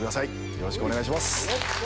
よろしくお願いします。